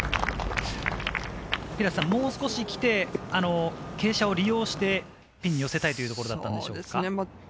もう少し来て、傾斜を利用してピンに寄せたいところだったのでしょうか？